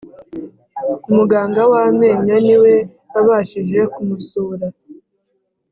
umuganga w amenyo niwe wabashije kumusura